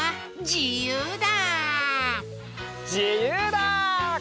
じゆうだ！